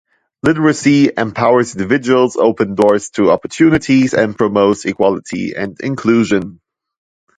Literacy empowers individuals, opens doors to opportunities, and promotes equality and inclusion.